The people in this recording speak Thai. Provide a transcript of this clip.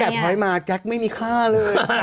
ตั้งแต่พล้อยมาแจ๊กไม่มีค่าเลย